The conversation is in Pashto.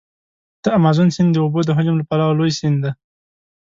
د امازون سیند د اوبو د حجم له پلوه لوی سیند دی.